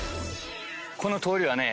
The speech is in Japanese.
この通りはね